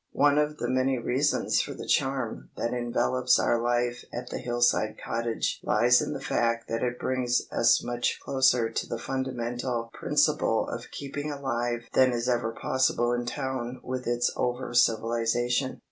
One of the many reasons for the charm that envelops our life at the hillside cottage lies in the fact that it brings us much closer to the fundamental principle of keeping alive than is ever possible in town with its over civilization.